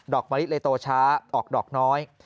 มะลิเลยโตช้าออกดอกน้อย